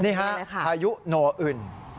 นี่ค่ะพายุโนอึน